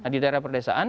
di daerah perdesaan